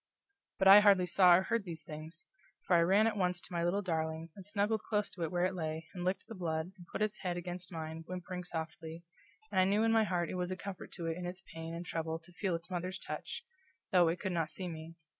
But I hardly saw or heard these things, for I ran at once to my little darling, and snuggled close to it where it lay, and licked the blood, and it put its head against mine, whimpering softly, and I knew in my heart it was a comfort to it in its pain and trouble to feel its mother's touch, though it could not see me.